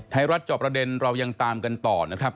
จอบประเด็นเรายังตามกันต่อนะครับ